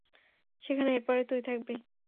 সেখানে এরপরে তুই থাকবি।